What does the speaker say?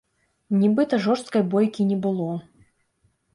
Нібыта жорсткай бойкі не было.